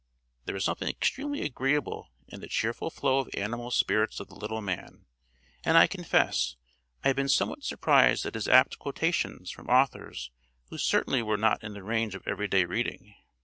There was something extremely agreeable in the cheerful flow of animal spirits of the little man; and I confess I had been somewhat surprised at his apt quotations from authors who certainly were not in the range of every day reading.